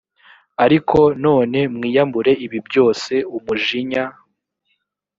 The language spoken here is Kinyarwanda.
ariko none mwiyambure ibi byose umujinya